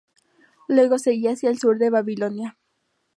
Luego seguía hacia el sur hacia Babilonia.